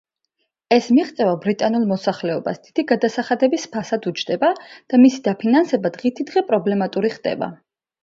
ეს მიღწევა ბრიტანულ მოსახლეობას დიდი გადასახადების ფასად უჯდება და მისი დაფინანსება დღითიდღე პრობლემატური ხდება.